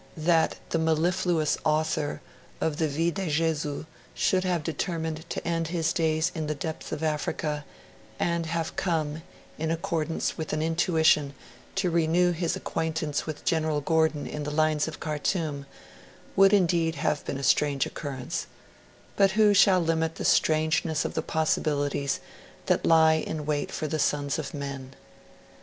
That the mellifluous author of the Vie de Jesus should have determined to end his days in the depths of Africa, and have come, in accordance with an intuition, to renew his acquaintance with General Gordon in the lines of Khartoum, would indeed have been a strange occurrence; but who shall limit the strangeness of the possibilities that lie in wait for the sons of men?